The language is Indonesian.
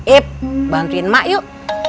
ip bantuin mak yuk